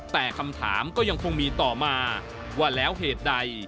แต่คำถามก็ยังคงมีต่อมาว่าแล้วเหตุใด